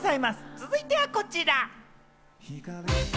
続いてはこちら。